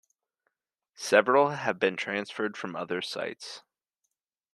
Several have been transferred from other sites.